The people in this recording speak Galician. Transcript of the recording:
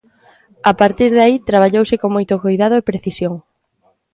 A partir de aí traballouse con moito coidado e precisión.